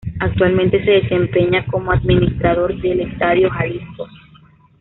Actualmente se desempeña como administrador del Estadio Jalisco.